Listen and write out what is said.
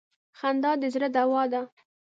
خندا د زړه دوا ده.